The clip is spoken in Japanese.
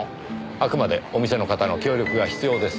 あくまでお店の方の協力が必要です。